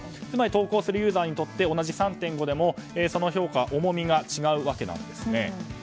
つまり投稿するユーザーにとって同じ３．５でも、その評価は重みが違うわけなんです。